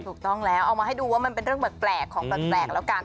ถูกต้องแล้วเอามาให้ดูว่ามันเป็นเรื่องแปลกของแปลกแล้วกัน